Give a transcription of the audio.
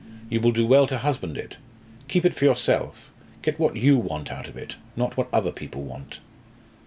You will do well to husband it. Keep it for yourself. Get what you want out of it: not what other people want."